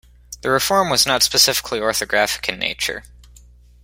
The reform was not specifically orthographic in nature.